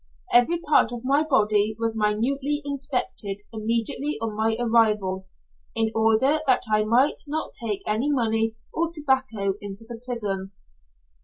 Every part of my body was minutely inspected immediately on my arrival, in order that I might not take any money or tobacco into the prison.